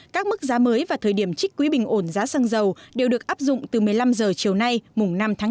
các mức giá mới và thời điểm trích quỹ bình ổn giá xăng dầu đều được áp dụng từ một mươi năm h chiều nay mùng năm tháng năm